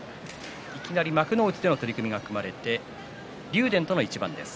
いきなり幕内での取組が組まれて竜電との一番です。